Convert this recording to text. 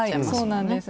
そうなんです。